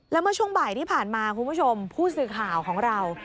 แล้วเมื่อช่วงบ่ายที่ผ่านมาคุณผู้ชมผู้สื่อข่าวของเรา